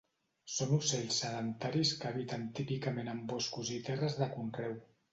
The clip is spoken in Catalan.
Són ocells sedentaris que habiten típicament en boscos i terres de conreu.